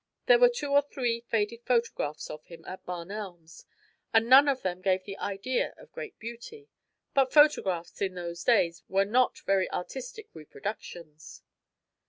There were two or three faded photographs of him at Barn Elms, and none of them gave the idea of great beauty; but photographs in those days were not very artistic reproductions.